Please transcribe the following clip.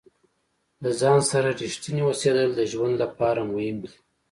د ځان سره ریښتیني اوسیدل د ژوند لپاره مهم دي.